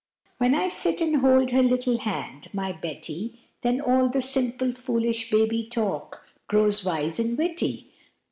When I sit and hold her little hand, My Betty, Then all the simple, foolish baby talk Grows wise and witty.